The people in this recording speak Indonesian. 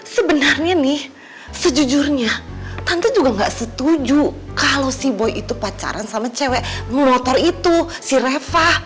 sebenarnya nih sejujurnya tante juga gak setuju kalau si boy itu pacaran sama cewek mau motor itu si reva